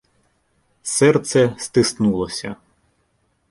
Серце стиснулося.